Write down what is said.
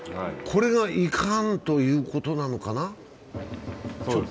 これがいかんということなのかな？